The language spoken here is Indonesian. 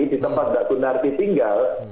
di tempat mbak gunardi tinggal